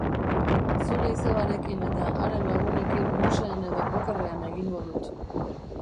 Zure izebarekin eta haren lagunekin musean edo pokerrean egingo dut.